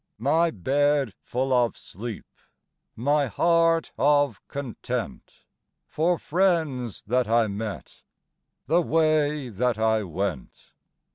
My bed full of sleep My heart of content For friends that I met The way that I went.